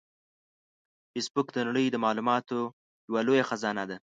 فېسبوک د نړۍ د معلوماتو یوه لویه خزانه ده